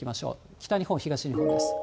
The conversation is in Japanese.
北日本、東日本です。